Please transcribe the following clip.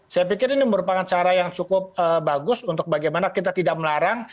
saya pikir ini merupakan cara yang cukup bagus untuk bagaimana kita tidak melarang